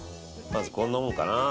まず、こんなもんかな。